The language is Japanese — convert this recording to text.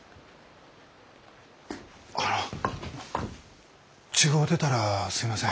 あの違うてたらすいません。